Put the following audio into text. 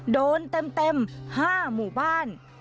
โดนเต็ม๕หมู่บ้าน